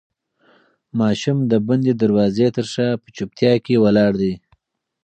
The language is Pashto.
ماشوم د بندې دروازې تر شا په چوپتیا کې ولاړ دی.